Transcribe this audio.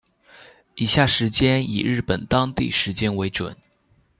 以下时间以日本当地时间为准